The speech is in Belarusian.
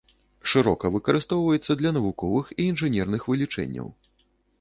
Шырока выкарыстоўваецца для навуковых і інжынерных вылічэнняў.